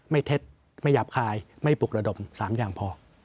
เท็จไม่หยาบคายไม่ปลุกระดม๓อย่างพอ